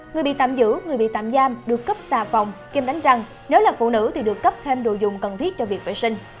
người bị tạm giữ người bị tạm giam được cấp xà phòng kiêm đánh răng nếu là phụ nữ thì được cấp thêm đồ dùng cần thiết cho việc vệ sinh